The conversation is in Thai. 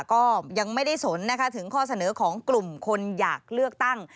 ก็ยังไม่ได้สนนะคะถึงข้อเสนอของกลุ่มคนอยากเลือกตั้ง